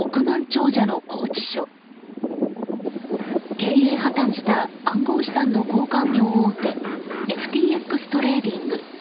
経営破綻した暗号資産の交換業大手ＦＴＸトレーディング。